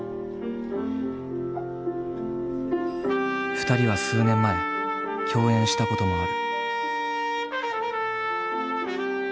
２人は数年前共演したこともある。